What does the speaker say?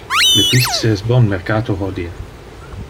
Le pisce es bon mercato hodie.